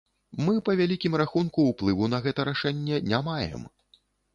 Мы па вялікім рахунку ўплыву на гэта рашэнне не маем.